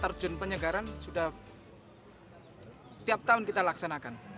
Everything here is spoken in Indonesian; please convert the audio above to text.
terjun penyegaran sudah tiap tahun kita laksanakan